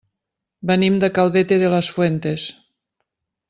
Venim de Caudete de las Fuentes.